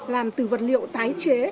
làm từ vật liệu tái chế